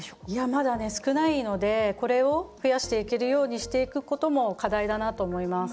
まだ少ないのでこれを増やしていけるようにしていくことも課題だなと思います。